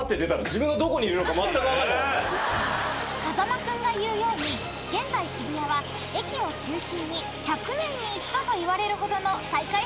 ［風間君が言うように現在渋谷は駅を中心に１００年に一度といわれるほどの再開発が行われているんです］